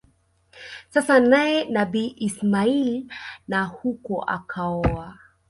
sasa naye Nabii Ismail na huko akaoa